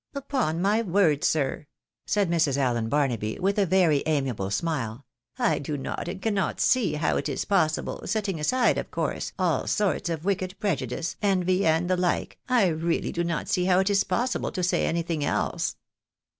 " Upon my word, sir," said Mrs. Allen Barnaby, with a very amiable smile, " I do not and cannot see how it is p)ossible, setting aside, of course, all sorts of wicked prejudice, envy, and the like, I really do not see how it is possible to say anything else."